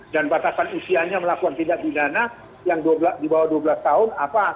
dan batasan usianya melakukan pidat pidana yang dibawah dua belas tahun